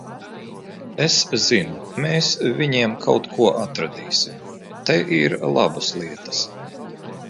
Es zinu, mēs viņiem kaut ko atradīsim. Te ir labas lietas.